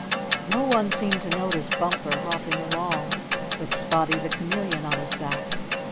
No one seemed to notice Bumper hopping along with Spotty the Chameleon on his back.